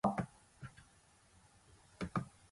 ばぶちゃん、お元気ですかー